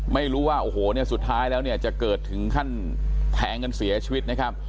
ไม่รู้ว่าโอ้โหเนี่ยสุดท้ายแล้วเนี่ยจะเกิดถึงขั้นแทงกันเสียชีวิตนะครับ